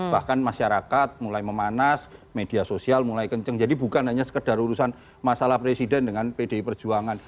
bahkan masyarakat mulai memanas media sosial mulai kenceng jadi bukan hanya sekedar urusan masalah presiden dengan pdi perjuangan